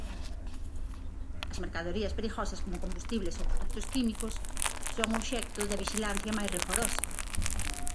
As mercadorías perigosas como combustibles ou produtos químicos son obxecto da vixilancia máis rigorosa.